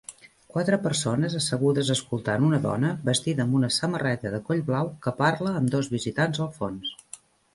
Quatre persones asseguts escoltant una dona vestida amb una samarreta de coll blau que parla amb dos visitants al fons